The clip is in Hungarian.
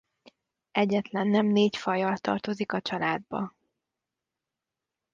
Egyetlen nem négy fajjal tartozik a családba.